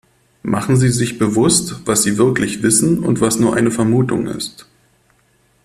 Machen Sie sich bewusst, was sie wirklich wissen und was nur eine Vermutung ist.